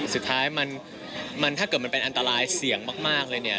สุดท้ายมันถ้าเกิดมันเป็นอันตรายเสี่ยงมากเลยเนี่ย